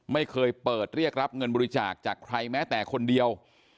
ไม่เคยเปิดเรียกรับเงินบริจาคจากใครแม้แต่คนเดียว